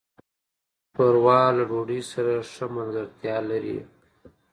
ښوروا له ډوډۍ سره ښه ملګرتیا لري.